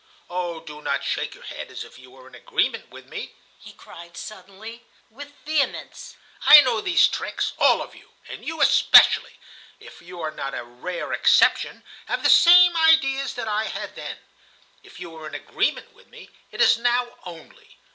Oh, do not shake your head as if you were in agreement with me (he cried suddenly with vehemence). I know these tricks. All of you, and you especially, if you are not a rare exception, have the same ideas that I had then. If you are in agreement with me, it is now only.